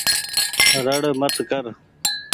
رڙ مت ڪر ۔